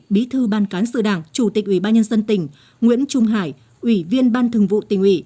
bí thư ban cán sự đảng chủ tịch ủy ban nhân dân tỉnh nguyễn trung hải ủy viên ban thường vụ tỉnh ủy